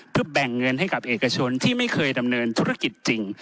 เพื่อแบ่งเงินให้กับเอกชนที่ไม่เคยดำเนินธุรกิจจริง